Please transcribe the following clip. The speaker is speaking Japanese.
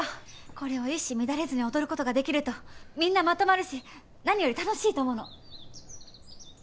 これを一糸乱れずに踊ることができるとみんなまとまるし何より楽しいと思うの。